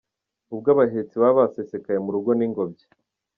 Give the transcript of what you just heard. Ubwo abahetsi baba basesekaye mu rugo n'ingobyi.